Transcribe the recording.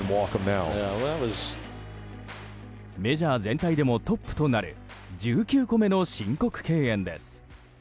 メジャー全体でもトップとなる１９個目の申告敬遠です。